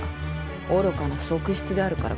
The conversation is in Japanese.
愚かな側室であるからか？